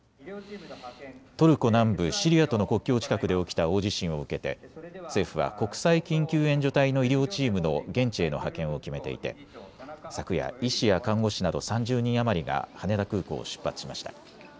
トルコ南部シリアとの国境近くで起きた大地震を受けて政府は国際緊急援助隊の医療チームの現地への派遣を決めていて昨夜、医師や看護師など３０人余りが羽田空港を出発しました。